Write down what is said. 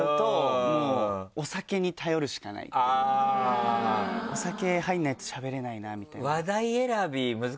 あぁ！お酒入んないとしゃべれないなみたいな。